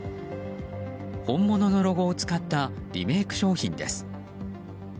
本物のロゴを使ったリメイク商品です。